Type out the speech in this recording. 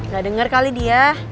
gak denger kali dia